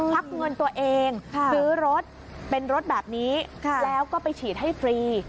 รับเงินตัวเองซื้อรถเป็นรถแบบนี้แล้วก็ไปฉีดให้ฟรี